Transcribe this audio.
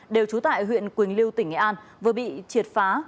đều trú tại huyện quỳnh lưu tỉnh nghệ an vừa bị triệt phá